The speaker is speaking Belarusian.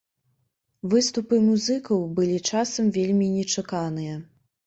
Выступы музыкаў былі часам вельмі нечаканыя.